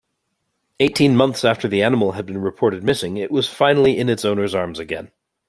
Eighteen months after the animal has been reported missing it was finally in its owner's arms again.